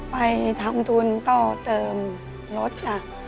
ไปทำทุนต่อเติมรถค่ะ